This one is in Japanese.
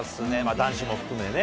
男子も含めね。